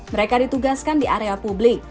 mereka ditugaskan di area publik